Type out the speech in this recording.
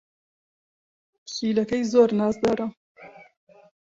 پشیلەکەی زۆر نازدارە.